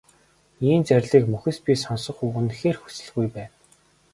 Ийм зарлигийг мөхөс би сонсох үнэхээр хүсэлгүй байна.